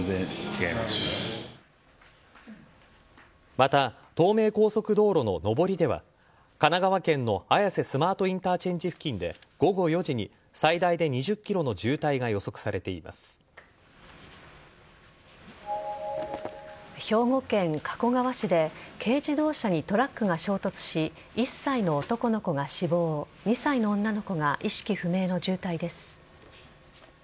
また東名高速道路の上りでは神奈川県の綾瀬スマートインターチェンジ付近で午後４時に最大で２０ｋｍの渋滞が兵庫県加古川市で軽自動車にトラックが衝突し１歳の男の子が死亡２歳の女の子が意識不明の重体です。